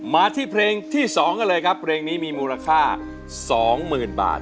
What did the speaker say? มาที่เพลงที่๒กันเลยครับเพลงนี้มีมูลค่า๒๐๐๐บาท